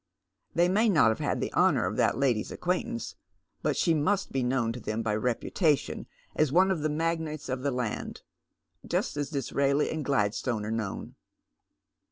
They may not have had the honour of that lady's acquaintance, but she must be known to them by reputation as one of the magnates of the land, just as Disraeli and Gladstone are known.